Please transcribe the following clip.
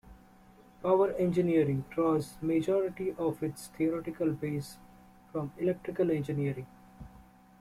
Power engineering draws the majority of its theoretical base from electrical engineering.